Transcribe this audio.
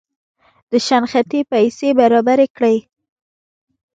د شنختې پیسې برابري کړي.